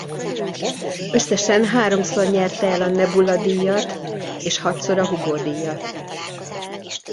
Összesen háromszor nyerte el a Nebula-díjat és hatszor a Hugo-díjat.